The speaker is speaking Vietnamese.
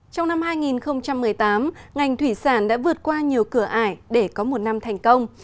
trong năm hai nghìn một mươi tám ngành thủy sản đã vượt qua nhiều cửa ải để có một năm thành công